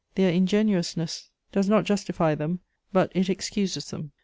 Their ingenuousness does not justify them, but it excuses them.